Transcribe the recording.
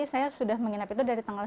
saya sudah menginap itu dari tanggal